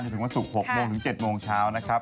เราจะถึงสน๖๗โมงเช้านะครับ